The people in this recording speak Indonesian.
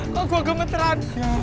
kok gue gemetaran